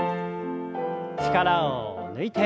力を抜いて。